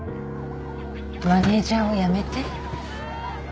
マネジャーを辞めて。